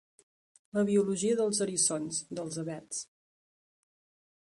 La biologia dels eriçons, dels avets.